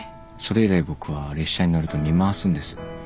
それ以来僕は列車に乗ると見回すんです。